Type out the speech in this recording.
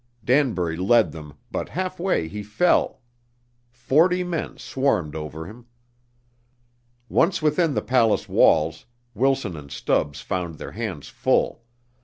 Danbury led them, but halfway he fell. Forty men swarmed over him. Once within the palace walls, Wilson and Stubbs found their hands full.